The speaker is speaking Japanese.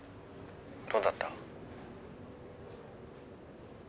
どうだった？